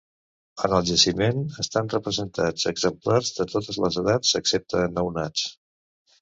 En el jaciment, estan representats exemplars de totes les edats excepte nounats.